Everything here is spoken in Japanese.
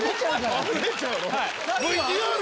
あふれちゃうの？